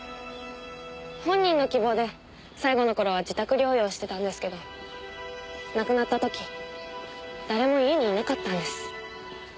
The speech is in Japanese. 本人の希望で最期の頃は自宅療養してたんですけど亡くなった時誰も家にいなかったんです。